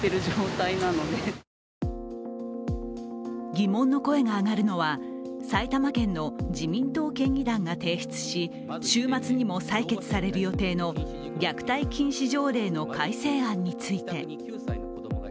疑問の声が上がるのは、埼玉県の自民党県議団が提出し、週末にも採決される予定の虐待禁止条例の改正案について。